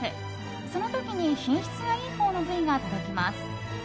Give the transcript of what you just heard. その時に、品質がいいほうの部位が届きます。